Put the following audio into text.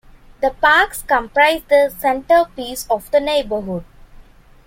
The parks comprise the centerpiece of the neighborhood.